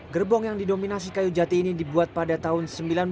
gerbong yang didominasi kayu jati ini dibuat pada tahun seribu sembilan ratus sembilan puluh